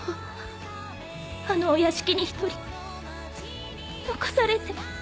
あのお屋敷に一人残されて。